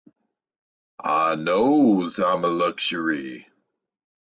I knows I'm a luxury.